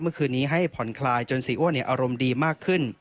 เมื่อคืนนี้ให้ผ่อนคลายจนเสียอ้วนอารมณ์ดีมากขึ้น